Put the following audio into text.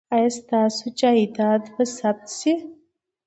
ایا ستاسو جایداد به ثبت شي؟